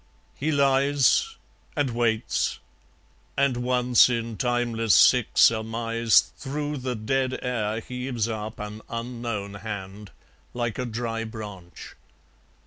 He lies; And waits; and once in timeless sick surmise Through the dead air heaves up an unknown hand, Like a dry branch.